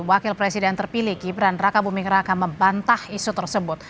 wakil presiden terpilih gibran raka buming raka membantah isu tersebut